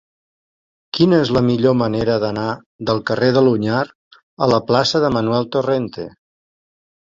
Quina és la millor manera d'anar del carrer de l'Onyar a la plaça de Manuel Torrente?